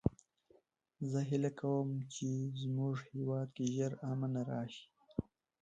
زه هیله کوم چې د مونږ هیواد کې ژر امن راشي